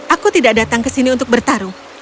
aku tidak datang ke sini untuk bertarung